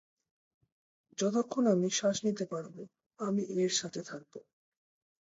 যতক্ষণ আমি শ্বাস নিতে পারব, আমি এর সাথে থাকব।